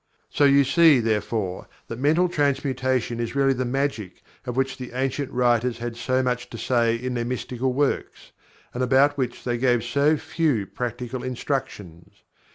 So you see, therefore, that Mental Transmutation is really the "Magic" of which the ancient; writers had so much to say in their mystical works, and about which they gave so few practical instructions.